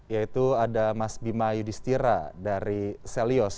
yaitu ada mas bima yudhistira dari selios